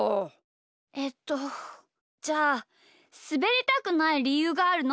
えっとじゃあすべりたくないりゆうがあるの？